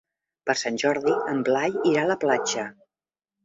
Per Sant Jordi en Blai irà a la platja.